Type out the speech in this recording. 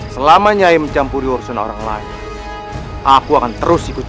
selama nyai mencampuri urusan orang lain aku akan terus ikut